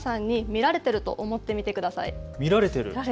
見られている？